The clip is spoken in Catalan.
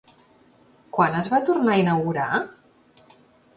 Quan es va tornar a inaugurar?